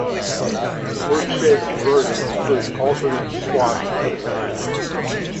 Wordshape's version includes alternate swash designs.